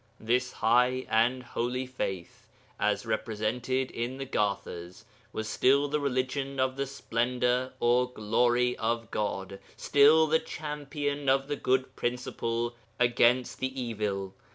This high and holy faith (as represented in the Gathas) was still the religion of the splendour or glory of God, still the champion of the Good Principle against the Evil.